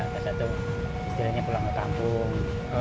setelah itu istrinya pulang ke kampung